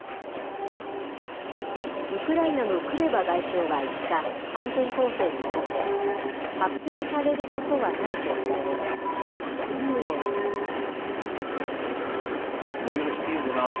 ウクライナのクレバ外相は５日、反転攻勢について、発表されることはないとしたうえで、次のように述べました。